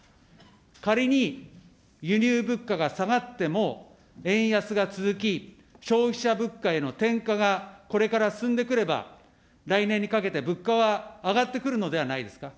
仮に輸入物価が下がっても、円安が続き、消費者物価への転嫁がこれから進んでくれば、来年にかけて物価は上がってくるのではないですか。